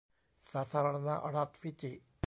สาธารณรัฐฟิจิ